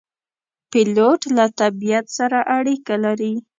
پیلوټ له طبیعت سره اړیکه لري.